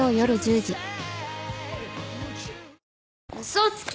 嘘つき。